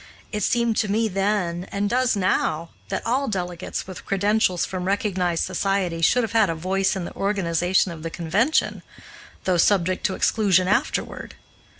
It seemed to me then, and does now, that all delegates with credentials from recognized societies should have had a voice in the organization of the convention, though subject to exclusion afterward.